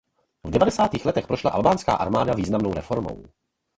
V devadesátých letech prošla albánská armáda výraznou reformou.